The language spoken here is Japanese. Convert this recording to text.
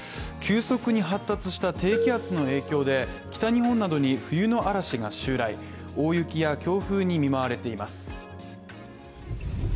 急速に発達した低気圧の影響で、北日本などに冬の嵐が襲来大雪や強風に見舞われています。